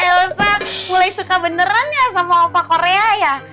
elsa mulai suka beneran ya sama lopa korea ya